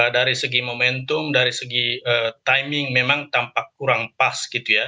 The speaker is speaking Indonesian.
dari segi momentum dari segi timing memang tampak kurang pas gitu ya